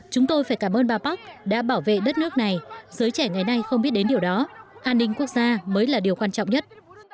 chúng tôi phải cảm ơn bà park đã bảo vệ đất nước này giới trẻ ngày nay không biết đến điều đó an ninh quốc gia mới là điều quan trọng nhất